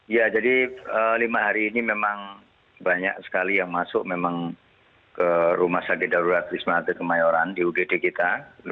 ya jadi lima hari ini memang banyak sekali yang masuk memang ke rumah sakit darurat wisma atlet kemayoran di ugd kita